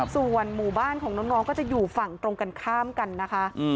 ส่วนหมู่บ้านของน้องก็จะอยู่ฝั่งตรงกันข้ามกันนะคะ